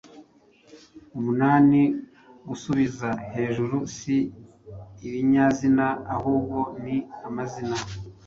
umunani” gusubiza hejuru si ibinyazina ahubwo ni amazina